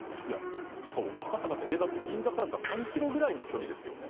赤坂って銀座からだったら３ｋｍぐらいの距離ですよね。